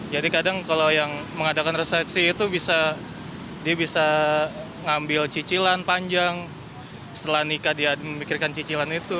jadi kadang kalau yang mengadakan resepsi itu dia bisa ngambil cicilan panjang setelah nikah dia memikirkan cicilan itu